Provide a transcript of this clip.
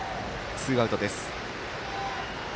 ツーアウトです。